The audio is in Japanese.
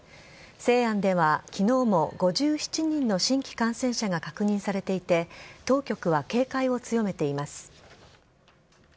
西安では昨日も５７人の新規感染者が確認されていて当局は警戒を強めています。